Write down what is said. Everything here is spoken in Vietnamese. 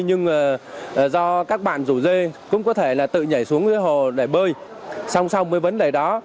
nhưng do các bạn rủ dê cũng có thể là tự nhảy xuống hồ để bơi song song với vấn đề đó